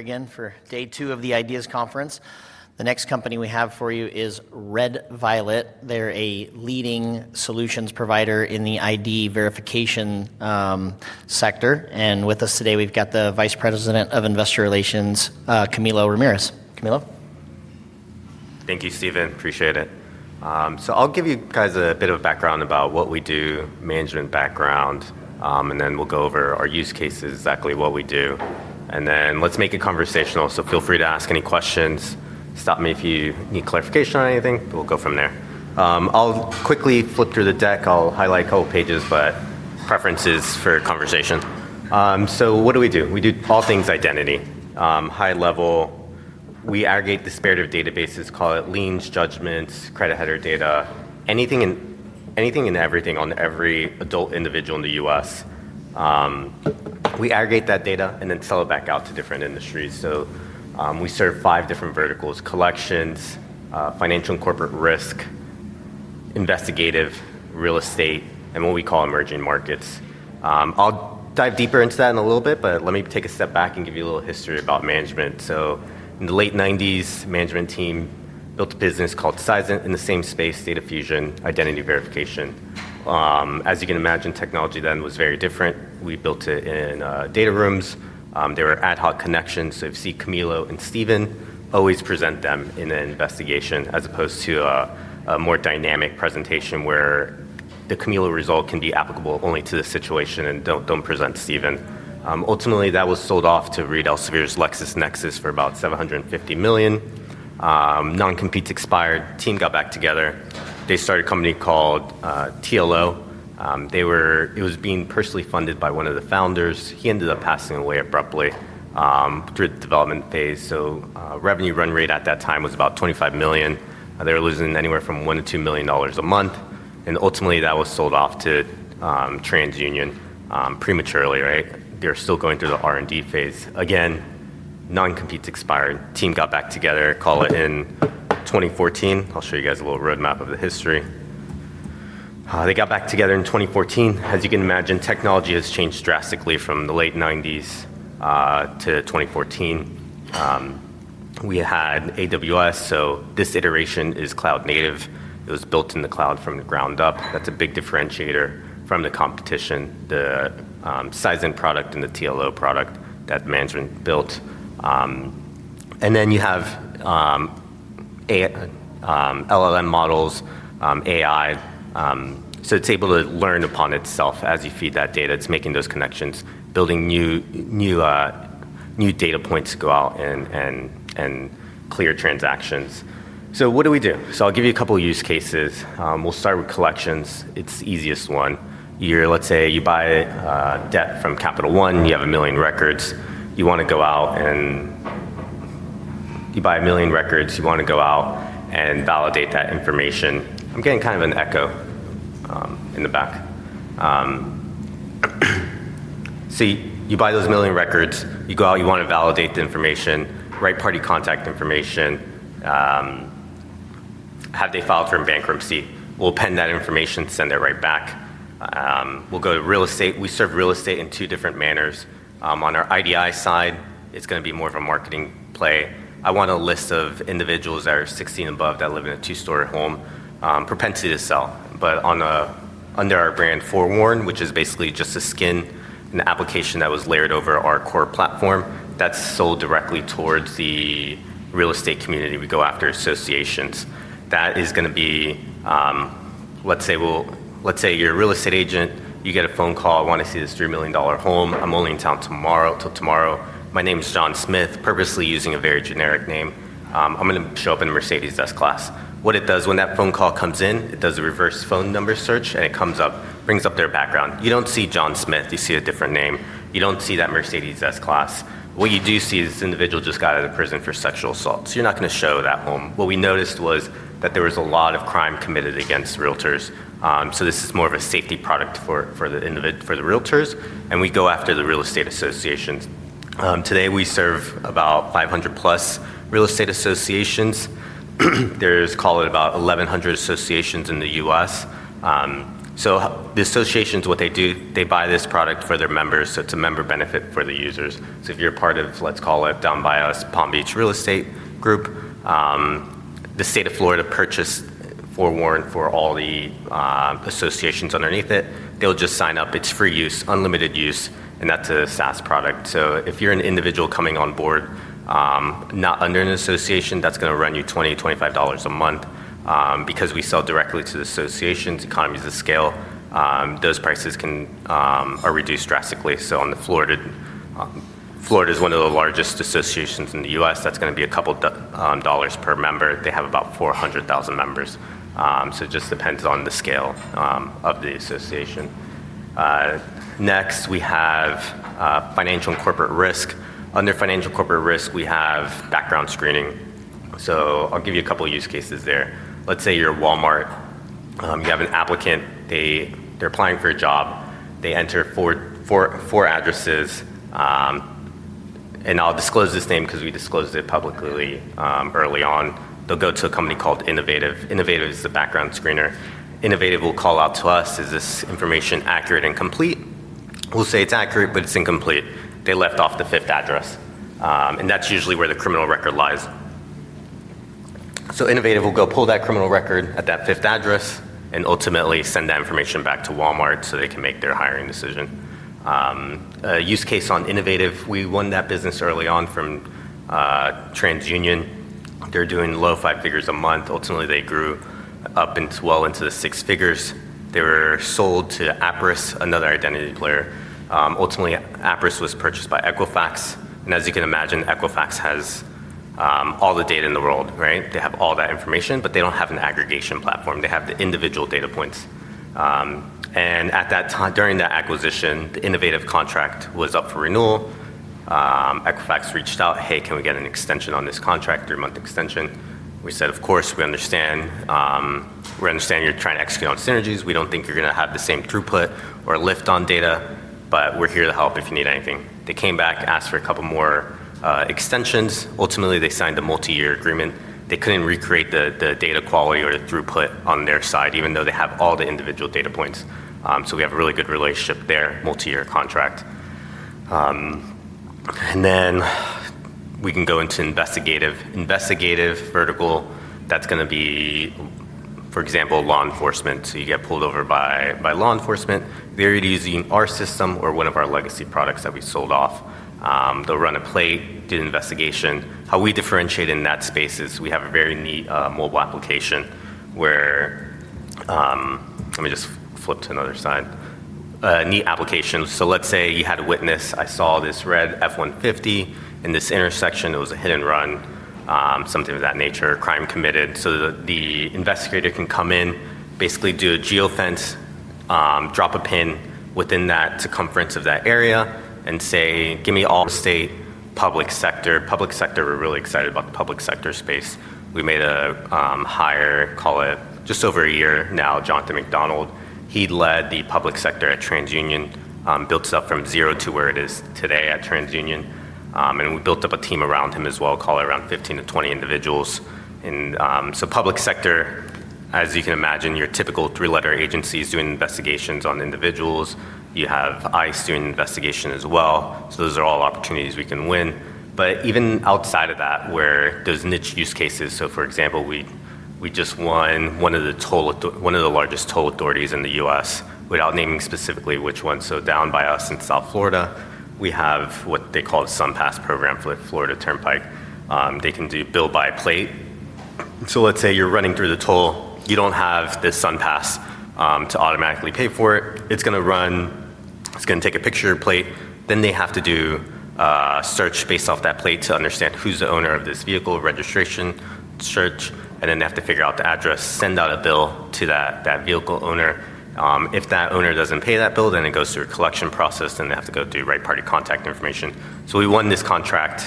Here again for day two of the Ideas Conference. The next company we have for you is Red Violet. They're a leading solutions provider in the ID verification sector. With us today, we've got the Vice President of Investor Relations, Camilo Ramirez. Camilo? Thank you, Steven. Appreciate it. I'll give you guys a bit of a background about what we do, management background, and then we'll go over our use cases, exactly what we do. Let's make it conversational, so feel free to ask any questions. Stop me if you need clarification on anything, but we'll go from there. I'll quickly flip through the deck. I'll highlight a couple of pages, but preferences for conversation. What do we do? We do all things identity. High level, we aggregate disparate databases, call it liens, judgments, credit header data, anything and everything on every adult individual in the U.S. We aggregate that data and then sell it back out to different industries. We serve five different verticals: collections, financial and corporate risk, investigative, real estate, and what we call emerging markets. I'll dive deeper into that in a little bit, but let me take a step back and give you a little history about management. In the late 1990s, the management team built a business called Sizen in the same space, data fusion, identity verification. As you can imagine, technology then was very different. We built it in data rooms. There were ad hoc connections. You see Camilo and Steven always present them in an investigation as opposed to a more dynamic presentation where the Camilo result can be applicable only to the situation and don't present Steven. Ultimately, that was sold off to Reed Elsevier's LexisNexis for about $750 million. Non-competes expired. Team got back together. They started a company called TLO. It was being personally funded by one of the founders. He ended up passing away abruptly through the development phase. Revenue run rate at that time was about $25 million. They were losing anywhere from $1 million-$2 million a month. Ultimately, that was sold off to TransUnion prematurely, right? They were still going through the R&D phase. Non-competes expired. Team got back together, call it in 2014. I'll show you guys a little roadmap of the history. They got back together in 2014. As you can imagine, technology has changed drastically from the late 1990s-2014. We had AWS, so this iteration is cloud native. It was built in the cloud from the ground up. That's a big differentiator from the competition, the Sizen product and the TLO product that management built. You have LLM models, AI, so it's able to learn upon itself as you feed that data. It's making those connections, building new data points to go out and clear transactions. What do we do? I'll give you a couple of use cases. We'll start with collections. It's the easiest one. Let's say you buy debt from Capital One. You have a million records. You want to go out and you buy a million records. You want to go out and validate that information. I'm getting kind of an echo in the back. You buy those million records. You go out. You want to validate the information, right party contact information. Have they filed for a bankruptcy? We'll pend that information, send it right back. We go to real estate. We serve real estate in two different manners. On our IDI side, it's going to be more of a marketing play. I want a list of individuals that are 16 and above that live in a two-story home, propensity to sell. Under our brand Forewarn, which is basically just a skin and application that was layered over our core platform, that's sold directly towards the real estate community. We go after associations. That is going to be, let's say, you're a real estate agent. You get a phone call. I want to see this $3 million home. I'm only in town till tomorrow. My name's John Smith, purposely using a very generic name. I'm going to show up in a Mercedes S-Class. What it does when that phone call comes in, it does a reverse phone number search and it comes up, brings up their background. You don't see John Smith. You see a different name. You don't see that Mercedes S-Class. What you do see is this individual just got out of prison for sexual assault. You're not going to show that home. What we noticed was that there was a lot of crime committed against realtors. This is more of a safety product for the realtors. We go after the real estate associations. Today we serve about 500 plus real estate associations. There's, call it about 1,100 associations in the U.S. The associations, what they do, they buy this product for their members. It's a member benefit for the users. If you're part of, let's call it down by us, Palm Beach Real Estate Group, the state of Florida purchased Forewarn for all the associations underneath it. They'll just sign up. It's free use, unlimited use, and that's a SaaS product. If you're an individual coming on board, not under an association, that's going to run you $20-$25 a month. Because we sell directly to the associations, economies of scale, those prices are reduced drastically. On the Florida, Florida is one of the largest associations in the U.S. That's going to be a couple of dollars per member. They have about 400,000 members. It just depends on the scale of the association. Next, we have financial and corporate risk. Under financial corporate risk, we have background screening. I'll give you a couple of use cases there. Let's say you're a Walmart. You have an applicant. They're applying for a job. They enter four addresses. I'll disclose this name because we disclosed it publicly early on. They'll go to a company called Innovative. Innovative is the background screener. Innovative will call out to us, is this information accurate and complete? We'll say it's accurate, but it's incomplete. They left off the fifth address, and that's usually where the criminal record lies. Innovative will go pull that criminal record at that fifth address and ultimately send that information back to Walmart so they can make their hiring decision. A use case on Innovative. We won that business early on from TransUnion. They're doing low five figures a month. Ultimately, they grew up into well into the six figures. They were sold to Aperis, another identity player. Ultimately, Aperis was purchased by Equifax. As you can imagine, Equifax has all the data in the world, right? They have all that information, but they don't have an aggregation platform. They have the individual data points. At that time, during that acquisition, the Innovative contract was up for renewal. Equifax reached out, hey, can we get an extension on this contract, three-month extension? We said, of course, we understand. We understand you're trying to execute on synergies. We don't think you're going to have the same throughput or lift on data, but we're here to help if you need anything. They came back, asked for a couple more extensions. Ultimately, they signed a multi-year agreement. They couldn't recreate the data quality or the throughput on their side, even though they have all the individual data points. We have a really good relationship there, multi-year contract. We can go into investigative vertical. That's going to be, for example, law enforcement. You get pulled over by law enforcement. Very easy. Our system or one of our legacy products that we sold off. They'll run a plate, do an investigation. How we differentiate in that space is we have a very neat, mobile application where, let me just flip to another side. A neat application. Let's say you had a witness. I saw this red F-150 in this intersection. It was a hit and run, something of that nature, crime committed. The investigator can come in, basically do a geofence, drop a pin within that circumference of that area and say, give me all estate, public sector. Public sector, we're really excited about the public sector space. We made a hire, call it just over a year now, Jonathan McDonald. He led the public sector at TransUnion, built it up from zero to where it is today at TransUnion. We built up a team around him as well, call it around 15 individuals-20 individuals. Public sector, as you can imagine, your typical three-letter agencies doing investigations on individuals. You have ICE doing investigations as well. Those are all opportunities we can win. Even outside of that, where there's niche use cases, for example, we just won one of the largest toll authorities in the U.S., without naming specifically which one. Down by us in South Florida, we have what they call the SunPass program for the Florida Turnpike. They can do bill by plate. Let's say you're running through the toll, you don't have this SunPass to automatically pay for it. It's going to run, it's going to take a picture of the plate. Then they have to do a search based off that plate to understand who's the owner of this vehicle, registration, search, and then they have to figure out the address, send out a bill to that vehicle owner. If that owner doesn't pay that bill, it goes through a collection process and they have to go through right party contact information. We won this contract,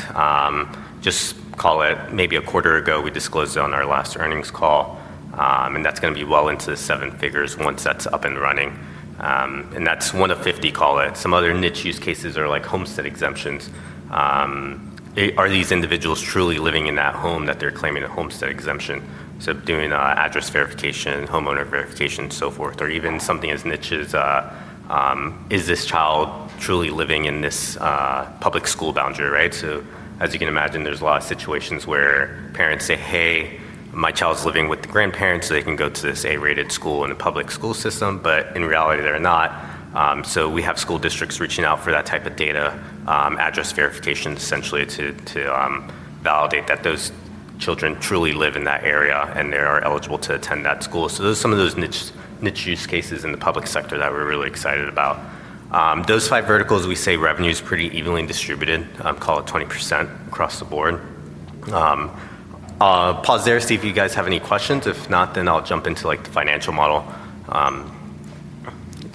just call it maybe a quarter ago. We disclosed it on our last earnings call. That's going to be well into the seven figures once that's up and running. That's one of 50, call it. Some other niche use cases are like homestead exemptions. Are these individuals truly living in that home that they're claiming a homestead exemption? Doing an address verification, homeowner verification, and so forth, or even something as niche as, is this child truly living in this public school boundary, right? As you can imagine, there's a lot of situations where parents say, hey, my child's living with the grandparents so they can go to this A-rated school in a public school system, but in reality, they're not. We have school districts reaching out for that type of data, address verifications essentially to validate that those children truly live in that area and they are eligible to attend that school. Those are some of those niche use cases in the public sector that we're really excited about. Those five verticals, we say revenue is pretty evenly distributed, call it 20% across the board. I'll pause there to see if you guys have any questions. If not, then I'll jump into the financial model. We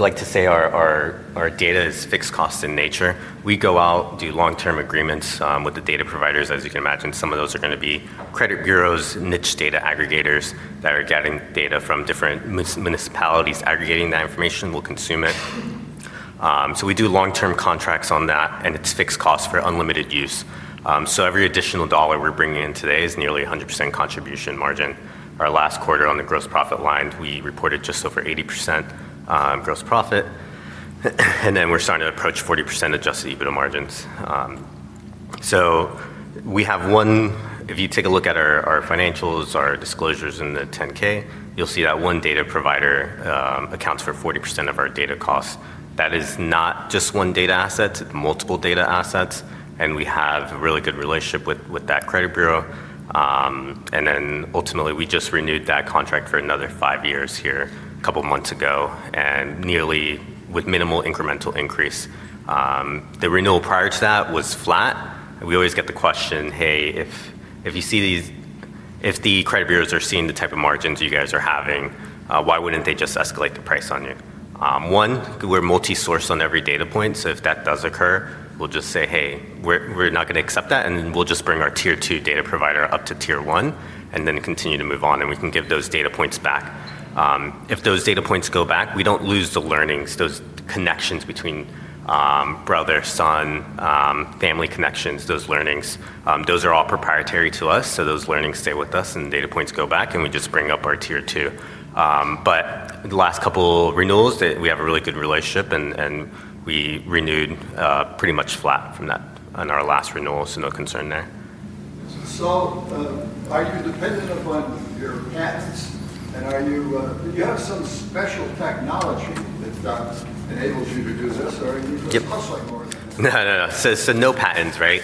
like to say our data is fixed cost in nature. We go out, do long-term agreements with the data providers. As you can imagine, some of those are going to be credit bureaus, niche data aggregators that are getting data from different municipalities, aggregating that information, we'll consume it. We do long-term contracts on that, and it's fixed cost for unlimited use. Every additional dollar we're bringing in today is nearly 100% contribution margin. Our last quarter on the gross profit line, we reported just over 80% gross profit. We're starting to approach 40% adjusted EBITDA margins. If you take a look at our financials, our disclosures in the 10K, you'll see that one data provider accounts for 40% of our data costs. That is not just one data asset, its multiple data assets. We have a really good relationship with that credit bureau. Ultimately, we just renewed that contract for another five years here a couple of months ago with minimal incremental increase. The renewal prior to that was flat. We always get the question, hey, if you see these, if the credit bureaus are seeing the type of margins you guys are having, why wouldn't they just escalate the price on you? One, we're multi-sourced on every data point. If that does occur, we'll just say, hey, we're not going to accept that, and then we'll just bring our tier two data provider up to tier one and then continue to move on. We can give those data points back. If those data points go back, we don't lose the learnings, those connections between brother, son, family connections, those learnings. Those are all proprietary to us. Those learnings stay with us and data points go back, and we just bring up our tier two. The last couple of renewals, we have a really good relationship, and we renewed pretty much flat from that in our last renewal. No concern there. Are you dependent upon your apps, and do you have some special technology that's not able to do so? Sorry. No, no, no. No patents, right?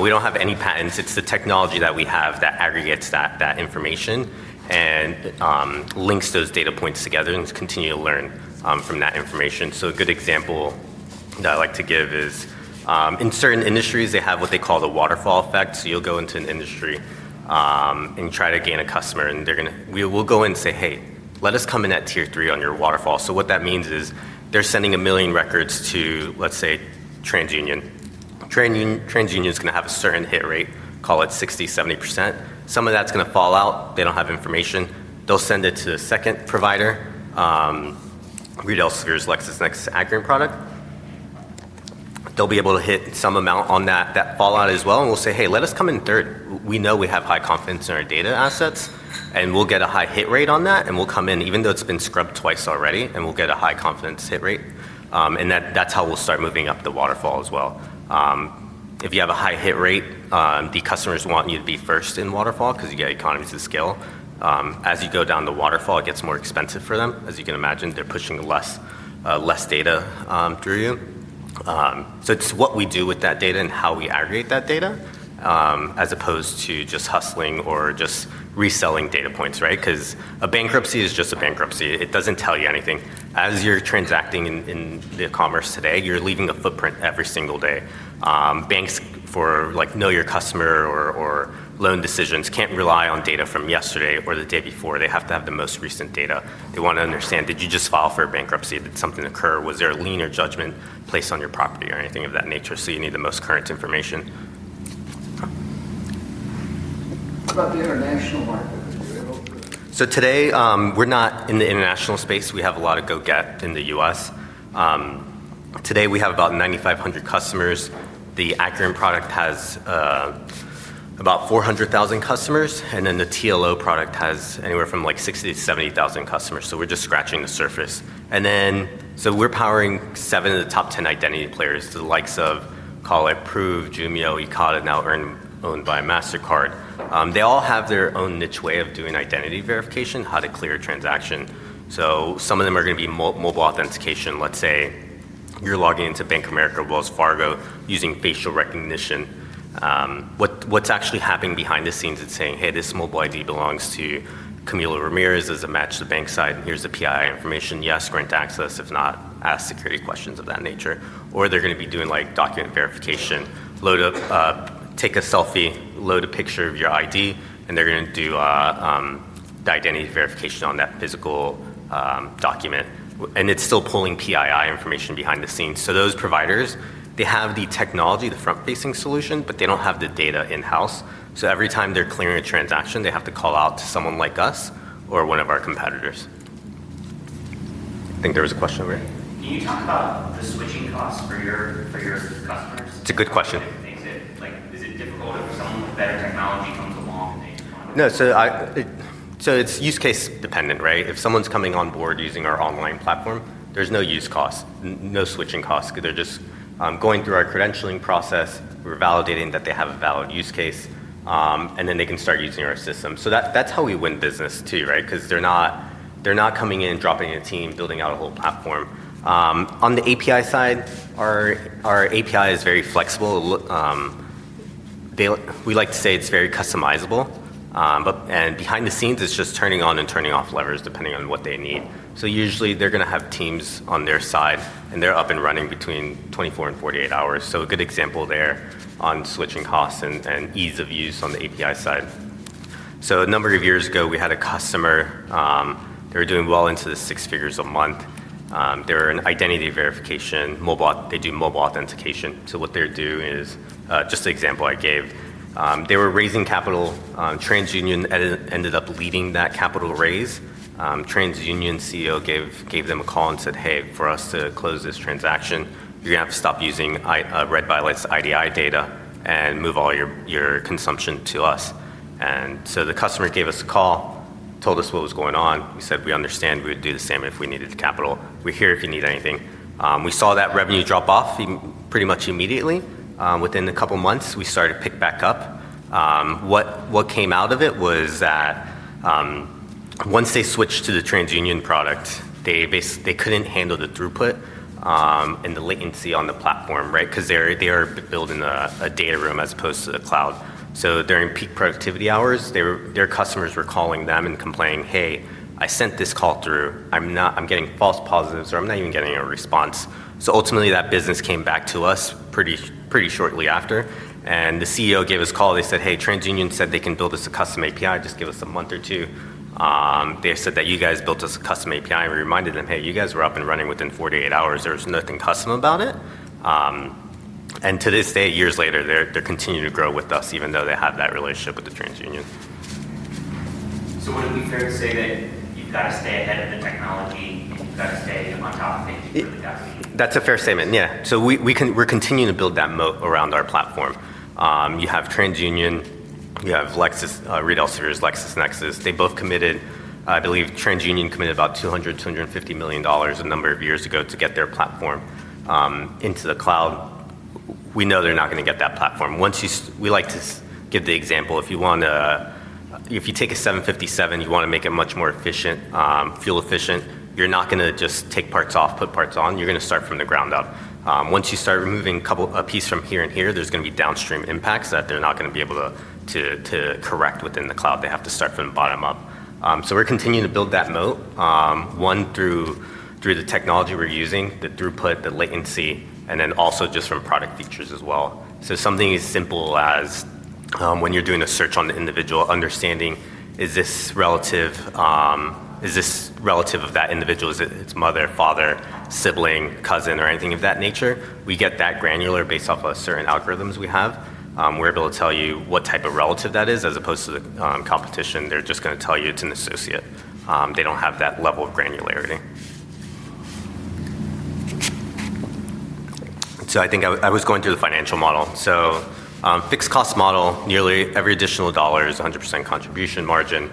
We don't have any patents. It's the technology that we have that aggregates that information and links those data points together and continues to learn from that information. A good example that I like to give is, in certain industries, they have what they call the waterfall effect. You'll go into an industry and try to gain a customer and they're going to, we will go in and say, hey, let us come in at tier three on your waterfall. What that means is they're sending a million records to, let's say, TransUnion. TransUnion is going to have a certain hit rate, call it 60%-70%. Some of that's going to fall out. They don't have information. They'll send it to a second provider, Reed Elsevier LexisNexis Accurint product. They'll be able to hit some amount on that fallout as well. We'll say, hey, let us come in third. We know we have high confidence in our data assets and we'll get a high hit rate on that. We'll come in even though it's been scrubbed twice already and we'll get a high confidence hit rate. That's how we'll start moving up the waterfall as well. If you have a high hit rate, the customers want you to be first in waterfall because you get economies of scale. As you go down the waterfall, it gets more expensive for them. As you can imagine, they're pushing less, less data through you. It's what we do with that data and how we aggregate that data, as opposed to just hustling or just reselling data points, right? Because a bankruptcy is just a bankruptcy. It doesn't tell you anything. As you're transacting in the commerce today, you're leaving a footprint every single day. Banks for like know your customer or loan decisions can't rely on data from yesterday or the day before. They have to have the most recent data. They want to understand, did you just file for a bankruptcy? Did something occur? Was there a lien or judgment placed on your property or anything of that nature? You need the most current information. What about the international market? Today, we're not in the international space. We have a lot of go-get in the U.S. Today we have about 9,500 customers. The Accurint product has about 400,000 customers, and then the TLO product has anywhere from 60,000 to 70,000 customers. We're just scratching the surface. We're powering seven of the top 10 identity players, to the likes of, call it, Prove, Jumio, Econo, now owned by Mastercard. They all have their own niche way of doing identity verification, how to clear a transaction. Some of them are going to be mobile authentication. Let's say you're logging into Bank of America, Wells Fargo, using facial recognition. What's actually happening behind the scenes is saying, hey, this mobile ID belongs to Camilo Ramirez as a match to the bank side. Here's the PII information. Yes, grant access. If not, ask security questions of that nature. Or they're going to be doing document verification, take a selfie, load a picture of your ID, and they're going to do the identity verification on that physical document. It's still pulling PII information behind the scenes. Those providers have the technology, the front-facing solution, but they don't have the data in-house. Every time they're clearing a transaction, they have to call out to someone like us or one of our competitors. I think there was a question over here. Can you talk about the switching costs for your system? It's a good question. Is it difficult if someone's there to know? No, so it's use case dependent, right? If someone's coming on board using our online platform, there's no use cost, no switching costs. They're just going through our credentialing process. We're validating that they have a valid use case, and then they can start using our system. That's how we win business too, right? Because they're not coming in, dropping a team, building out a whole platform. On the API side, our API is very flexible. We like to say it's very customizable, and behind the scenes, it's just turning on and turning off levers depending on what they need. Usually they're going to have teams on their side and they're up and running between 24 and 48 hours. A good example there on switching costs and ease of use on the API side: a number of years ago, we had a customer, they were doing well into the six figures a month. They were an identity verification, mobile, they do mobile authentication. What they're doing is just the example I gave. They were raising capital. TransUnion ended up leading that capital raise. The TransUnion CEO gave them a call and said, hey, for us to close this transaction, you're going to have to stop using Red Violet's IDI data and move all your consumption to us. The customer gave us a call, told us what was going on. We said, we understand, we would do the same if we needed the capital. We're here if you need anything. We saw that revenue drop off pretty much immediately. Within a couple of months, we started to pick back up. What came out of it was that once they switched to the TransUnion product, they basically couldn't handle the throughput and the latency on the platform, right? Because they're building a data room as opposed to the cloud. During peak productivity hours, their customers were calling them and complaining, hey, I sent this call through. I'm not, I'm getting false positives or I'm not even getting a response. Ultimately, that business came back to us pretty shortly after. The CEO gave us a call. They said, hey, TransUnion said they can build us a custom API. Just give us a month or two. They said that you guys built us a custom API. We reminded them, hey, you guys were up and running within 48 hours. There's nothing custom about it. To this day, years later, they're continuing to grow with us, even though they have that relationship with TransUnion. Would it be fair to say that you've got to stay ahead of the technology? That's a fair statement. Yeah. We're continuing to build that moat around our platform. You have TransUnion, you have Reed Elsevier LexisNexis. They both committed, I believe TransUnion committed about $200 million-$250 million a number of years ago to get their platform into the cloud. We know they're not going to get that platform. We like to give the example, if you take a 757, you want to make it much more efficient, fuel efficient, you're not going to just take parts off, put parts on. You're going to start from the ground up. Once you start removing a couple of pieces from here and here, there's going to be downstream impacts that they're not going to be able to correct within the cloud. They have to start from the bottom up. We're continuing to build that moat, one through the technology we're using, the throughput, the latency, and then also just from product features as well. Something as simple as, when you're doing a search on the individual, understanding is this relative, is this relative of that individual, is it its mother, father, sibling, cousin, or anything of that nature? We get that granular based off of certain algorithms we have. We're able to tell you what type of relative that is as opposed to the competition. They're just going to tell you it's an associate. They don't have that level of granularity. I think I was going through the financial model. Fixed cost model, nearly every additional dollar is 100% contribution margin.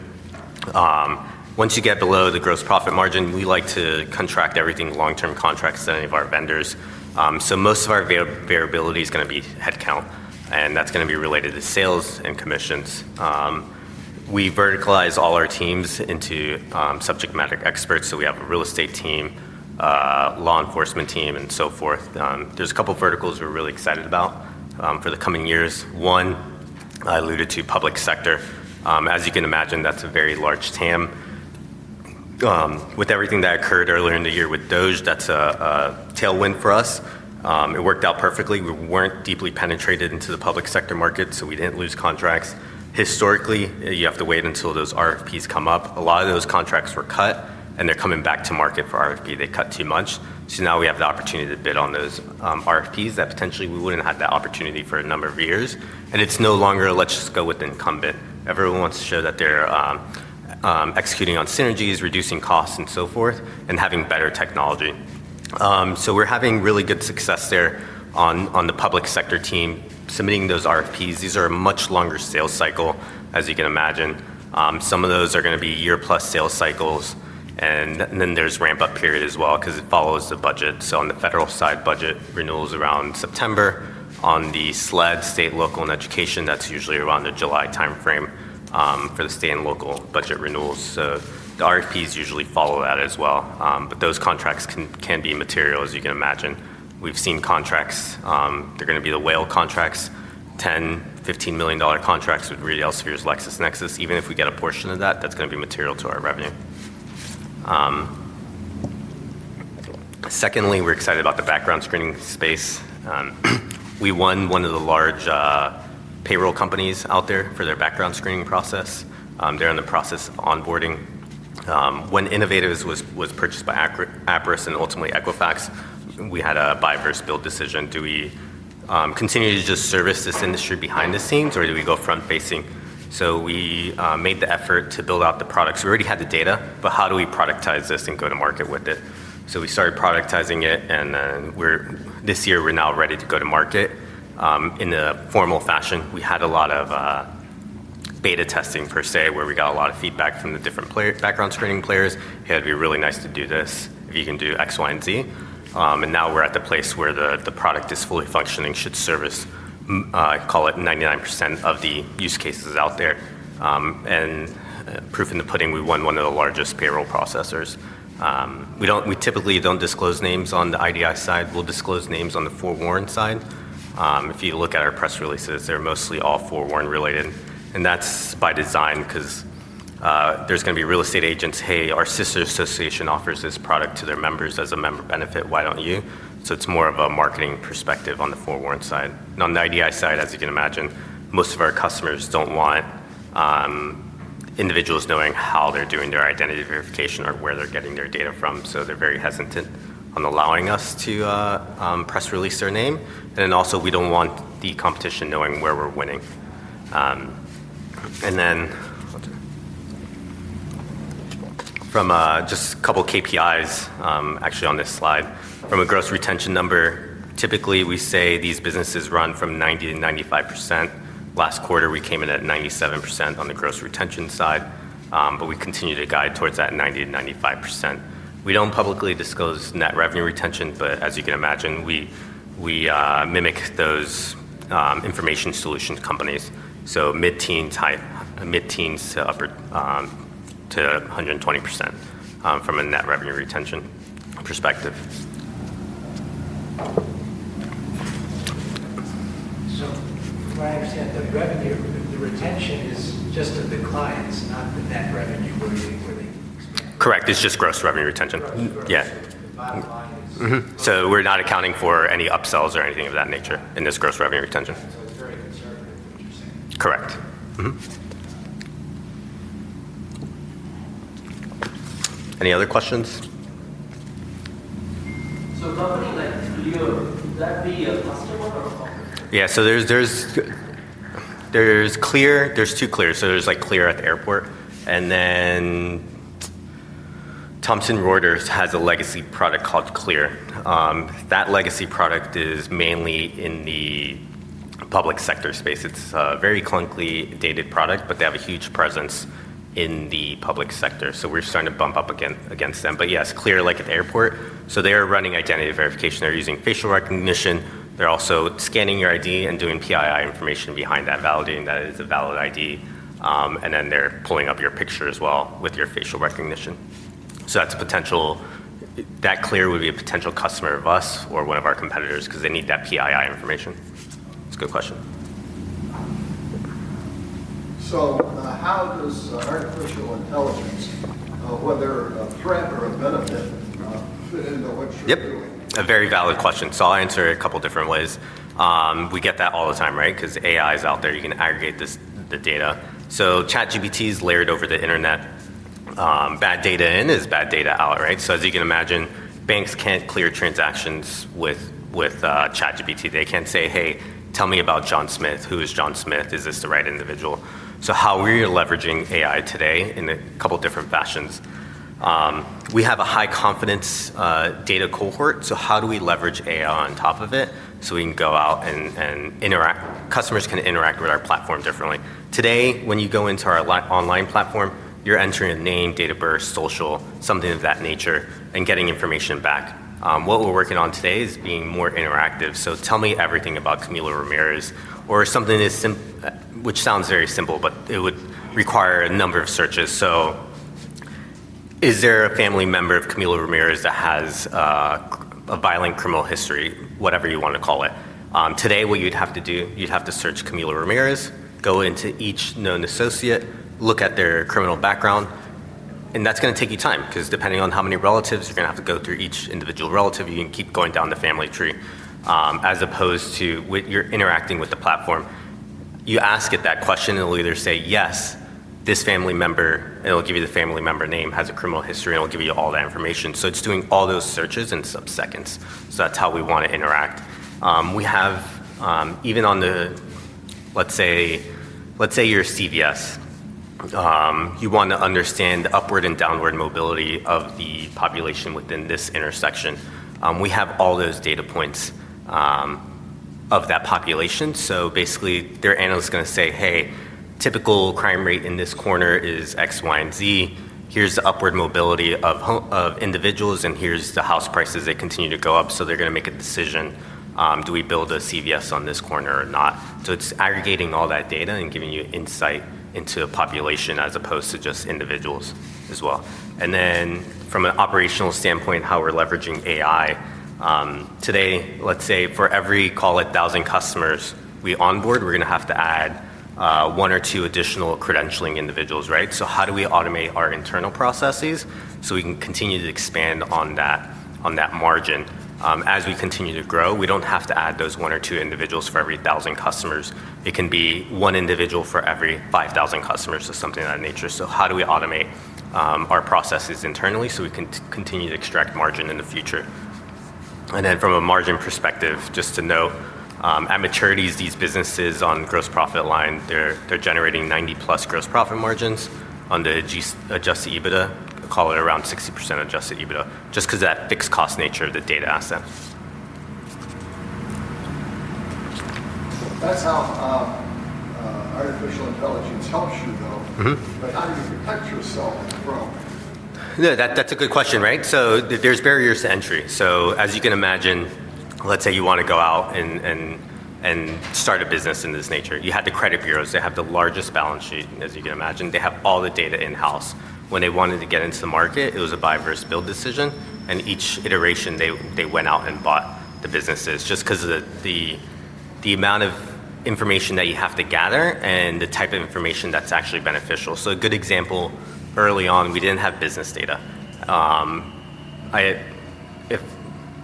Once you get below the gross profit margin, we like to contract everything long-term contracts to any of our vendors. Most of our variability is going to be headcount, and that's going to be related to sales and commissions. We verticalize all our teams into subject matter experts. We have a real estate team, law enforcement team, and so forth. There's a couple of verticals we're really excited about for the coming years. One, I alluded to public sector. As you can imagine, that's a very large TAM. With everything that occurred earlier in the year with DOGE, that's a tailwind for us. It worked out perfectly. We weren't deeply penetrated into the public sector market, so we didn't lose contracts. Historically, you have to wait until those RFPs come up. A lot of those contracts were cut, and they're coming back to market for RFP. They cut too much. Now we have the opportunity to bid on those RFPs that potentially we wouldn't have had that opportunity for a number of years. It's no longer just go with incumbent. Everyone wants to show that they're executing on synergies, reducing costs, and so forth, and having better technology. We're having really good success there on the public sector team submitting those RFPs. These are a much longer sales cycle, as you can imagine. Some of those are going to be year-plus sales cycles, and then there's ramp-up period as well because it follows the budget. On the federal side, budget renewals are around September. On the SLED, state, local, and education, that's usually around the July timeframe for the state and local budget renewals. The RFPs usually follow that as well. Those contracts can be material, as you can imagine. We've seen contracts, they're going to be the whale contracts, $10 million, $15 million contracts with Reed Elsevier LexisNexis. Even if we get a portion of that, that's going to be material to our revenue. Secondly, we're excited about the background screening space. We won one of the large payroll companies out there for their background screening process. They're in the process of onboarding. When Innovatives was purchased by Aperis and ultimately Equifax, we had a buy versus build decision. Do we continue to just service this industry behind the scenes, or do we go front-facing? We made the effort to build out the products. We already had the data, but how do we productize this and go to market with it? We started productizing it, and this year, we're now ready to go to market in a formal fashion. We had a lot of beta testing per se, where we got a lot of feedback from the different background screening players. It'd be really nice to do this if you can do X, Y, and Z. Now we're at the place where the product is fully functioning, should service, I call it, 99% of the use cases out there. Proof in the pudding, we won one of the largest payroll processors. We don't, we typically don't disclose names on the IDI side. We'll disclose names on the Forewarn side. If you look at our press releases, they're mostly all Forewarn related. That's by design because there's going to be real estate agents, hey, our sister association offers this product to their members as a member benefit. Why don't you? It's more of a marketing perspective on the Forewarn side. On the IDI side, as you can imagine, most of our customers don't want individuals knowing how they're doing their identity verification or where they're getting their data from. They're very hesitant on allowing us to press release their name. We also don't want the competition knowing where we're winning. From just a couple KPIs, actually on this slide, from a gross retention number, typically we say these businesses run from 90%-95%. Last quarter, we came in at 97% on the gross retention side. We continue to guide towards that 90% to 95%. We don't publicly disclose net revenue retention, but as you can imagine, we mimic those information solutions companies. Mid-teens, high mid-teens to upper, to 120%, from a net revenue retention perspective. What I understand, the revenue, the retention is just a decline. It's not that revenue. Correct. It's just gross revenue retention. Yeah, we're not accounting for any upsells or anything of that nature in this gross revenue retention. It is very interesting. Correct. Any other questions? Above the flags, could you go, would that be a bus to work or a car? Yeah. There are two clear. There is Clear at the airport, and then Thomson Reuters has a legacy product called Clear. That legacy product is mainly in the public sector space. It is a very clunky, dated product, but they have a huge presence in the public sector. We are starting to bump up against them. Yes, Clear like at the airport. They are running identity verification. They are using facial recognition. They are also scanning your ID and doing PII information behind that, validating that it is a valid ID, and then they are pulling up your picture as well with your facial recognition. That Clear would be a potential customer of us or one of our competitors because they need that PII information. It is a good question. How does artificial intelligence, whether a threat? Yep. A very valid question. I'll answer it a couple of different ways. We get that all the time, right? Because AI is out there. You can aggregate this, the data. ChatGPT is layered over the internet. Bad data in is bad data out, right? As you can imagine, banks can't clear transactions with ChatGPT. They can say, hey, tell me about John Smith. Who is John Smith? Is this the right individual? How are you leveraging AI today in a couple of different fashions? We have a high confidence data cohort. How do we leverage AI on top of it so we can go out and interact, customers can interact with our platform differently? Today, when you go into our online platform, you're entering a name, date of birth, social, something of that nature, and getting information back. What we're working on today is being more interactive. Tell me everything about Camilo Ramirez or something as simple, which sounds very simple, but it would require a number of searches. Is there a family member of Camilo Ramirez that has a violent criminal history, whatever you want to call it? Today what you'd have to do, you'd have to search Camilo Ramirez, go into each known associate, look at their criminal background, and that's going to take you time because depending on how many relatives, you're going to have to go through each individual relative. You can keep going down the family tree, as opposed to when you're interacting with the platform. You ask it that question and it'll either say yes, this family member, and it'll give you the family member name, has a criminal history, and it'll give you all that information. It's doing all those searches in subseconds. That's how we want to interact. Even on the, let's say, let's say you're a CVS. You want to understand the upward and downward mobility of the population within this intersection. We have all those data points of that population. Basically, their analyst is going to say, hey, typical crime rate in this corner is X, Y, and Z. Here's the upward mobility of individuals and here's the house prices that continue to go up. They're going to make a decision, do we build a CVS on this corner or not? It's aggregating all that data and giving you insight into a population as opposed to just individuals as well. From an operational standpoint, how we're leveraging AI, today, let's say for every, call it, thousand customers we onboard, we're going to have to add one or two additional credentialing individuals, right? How do we automate our internal processes so we can continue to expand on that margin? As we continue to grow, we don't have to add those one or two individuals for every thousand customers. It can be one individual for every 5,000 customers or something of that nature. How do we automate our processes internally so we can continue to extract margin in the future? From a margin perspective, just to note, at maturities, these businesses on the gross profit line, they're generating 90% plus gross profit margins. On the adjusted EBITDA, call it around 60% adjusted EBITDA, just because of that fixed cost nature of the data asset. That's how artificial intelligence helps you, though. Yeah, that's a good question, right? There are barriers to entry. As you can imagine, let's say you want to go out and start a business in this nature. You have the credit bureaus. They have the largest balance sheet, and as you can imagine, they have all the data in-house. When they wanted to get into the market, it was a buy versus build decision. Each iteration, they went out and bought the businesses just because of the amount of information that you have to gather and the type of information that's actually beneficial. A good example, early on, we didn't have business data. If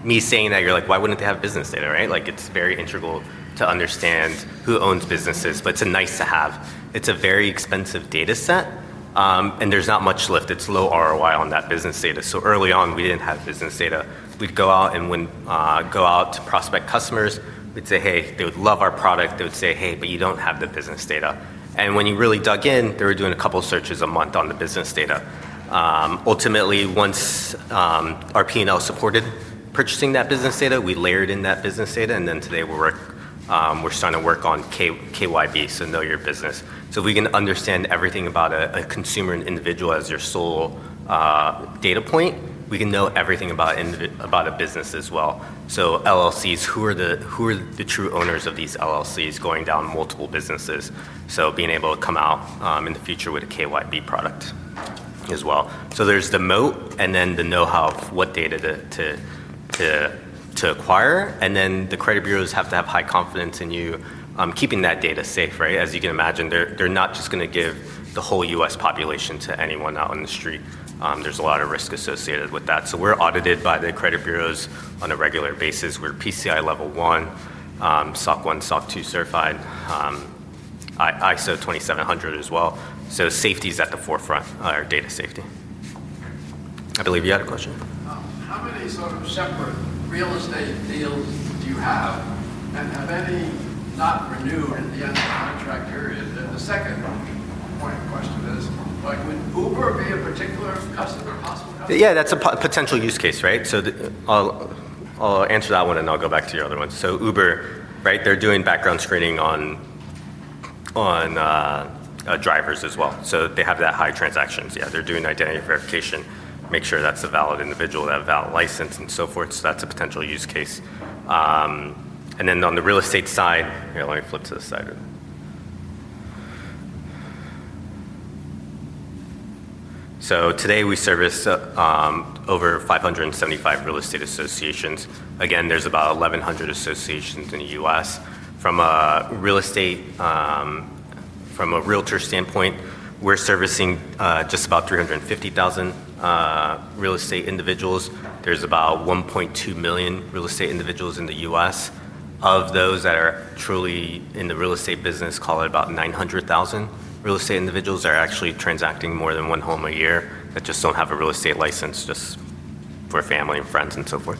me saying that, you're like, why wouldn't they have business data, right? It's very integral to understand who owns businesses, but it's a nice to have. It's a very expensive data set, and there's not much lift. It's low ROI on that business data. Early on, we didn't have business data. We'd go out and when we would go out to prospect customers, we'd say, hey, they would love our product. They would say, hey, but you don't have the business data. When you really dug in, they were doing a couple of searches a month on the business data. Ultimately, once our P&L supported purchasing that business data, we layered in that business data. Today we're starting to work on KYB, so Know Your Business. If we can understand everything about a consumer and individual as their sole data point, we can know everything about a business as well. LLCs, who are the true owners of these LLCs going down multiple businesses. Being able to come out in the future with a KYB product as well. There's the moat and then the know-how of what data to acquire. The credit bureaus have to have high confidence in you keeping that data safe, right? As you can imagine, they're not just going to give the whole U.S. population to anyone out on the street. There's a lot of risk associated with that. We're audited by the credit bureaus on a regular basis. We're PCI Level 1, SOC 1, SOC 2 certified, ISO 2700 as well. Safety is at the forefront of our data safety. I believe you had a question. How many sort of separate real estate deals do you have? How many not renew or in the end contract period? The second point question is, would Uber be a particular customer possible? Yeah, that's a potential use case, right? I'll answer that one and go back to your other one. Uber, they're doing background screening on drivers as well. They have that high transactions. They're doing identity verification, make sure that's a valid individual, that valid license and so forth. That's a potential use case. On the real estate side, let me flip to the side of it. Today we service over 575 real estate associations. Again, there's about 1,100 associations in the U.S. From a real estate, from a realtor standpoint, we're servicing just about 350,000 real estate individuals. There's about 1.2 million real estate individuals in the U.S. Of those that are truly in the real estate business, call it about 900,000. Real estate individuals are actually transacting more than one home a year, they just those that have a real estate license just for family and friends and so forth.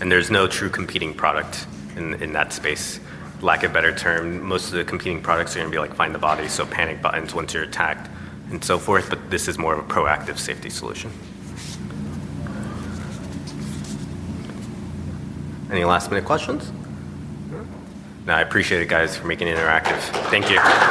There's no true competing product in that space. For lack of a better term, most of the competing products are going to be like find the body, so panic buttons once you're attacked and so forth. This is more of a proactive safety solution. Any last minute questions? Sure. No, I appreciate it, guys, for making it interactive. Thank you.